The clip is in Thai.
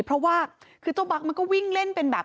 เพราะว่าคือเจ้าบั๊กมันก็วิ่งเล่นเป็นแบบ